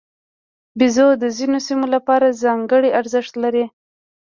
بیزو د ځینو سیمو لپاره ځانګړی ارزښت لري.